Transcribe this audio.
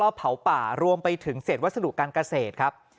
ก็เผาป่ารวมไปถึงเศษวัสดุการเกษตรครับ